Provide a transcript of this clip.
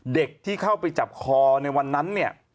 เด็กที่เข้าไปจับคอในวันนั้นเนี่ย